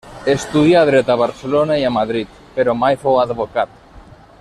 Estudià dret a Barcelona i a Madrid, però mai fou advocat.